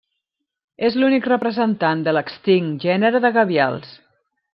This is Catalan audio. És l'únic representant de l'extint gènere de gavials.